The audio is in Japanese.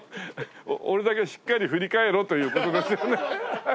俺だけしっかり振り返ろという事ですよね。